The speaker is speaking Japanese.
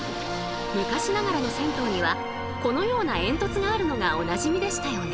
昔ながらの銭湯にはこのような煙突があるのがおなじみでしたよね。